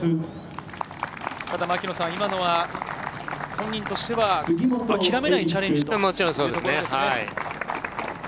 ただ今のは本人としてはあきらめないチャレンジということですね。